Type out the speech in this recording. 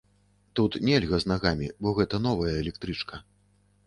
Тут нельга з нагамі, бо гэта новая электрычка.